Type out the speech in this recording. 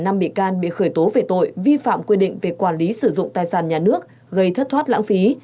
năm bị can bị khởi tố về tội vi phạm quy định về quản lý sử dụng tài sản nhà nước gây thất thoát lãng phí